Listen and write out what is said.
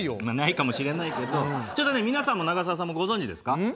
まあないかもしれないけどちょっとね皆さんも永沢さんもご存じですか？